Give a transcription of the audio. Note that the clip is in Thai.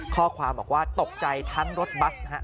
ข้อความบอกว่าตกใจทั้งรถบัส